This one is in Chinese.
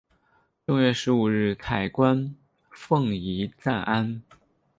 正月十五日彩棺奉移暂安。